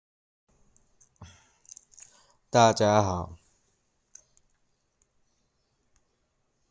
進入不適任教師處理流程